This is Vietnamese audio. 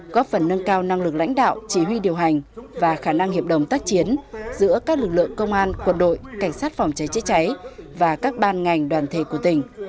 góp phần nâng cao năng lực lãnh đạo chỉ huy điều hành và khả năng hiệp đồng tác chiến giữa các lực lượng công an quân đội cảnh sát phòng cháy chữa cháy và các ban ngành đoàn thể của tỉnh